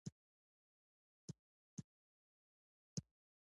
د کیوي کښت په ځینو سیمو کې شوی.